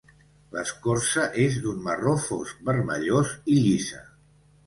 L'escorça és d'un marró fosc vermellós i llisa.